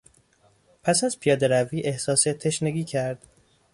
پس از پیادهروی احساس تشنگی کرد.